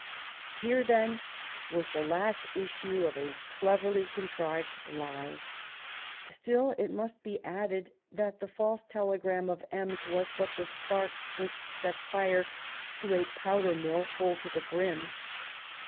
Here, then, was the last issue of a cleverly contrived lie. Still, it must be added that the false telegram of Ems was but the spark which set fire to a powder mill full to the brim.